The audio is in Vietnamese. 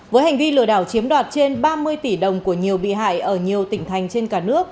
với hành vi lừa đảo chiếm đoạt trên ba mươi tỷ đồng của nhiều bị hại ở nhiều tỉnh thành trên cả nước